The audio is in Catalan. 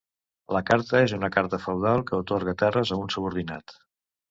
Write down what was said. La carta és una carta feudal que atorga terres a un subordinat.